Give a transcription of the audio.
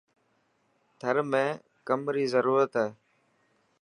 ٿر ۾ ڪم ري ضرورت هي.